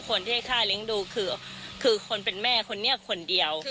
คนที่ให้ค่าเลี้ยงดูคือคนเป็นแม่คนนี้คนเดียว